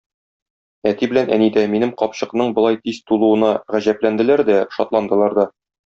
Әти белән әни дә минем капчыкның болай тиз тулуына гаҗәпләнделәр дә, шатландылар да.